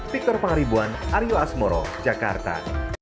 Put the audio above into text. victor pangaribuan aryo asmoro jakarta